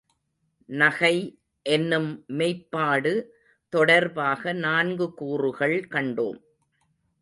நகை என்னும் மெய்ப்பாடு தொடர்பாக நான்கு கூறுகள் கண்டோம்.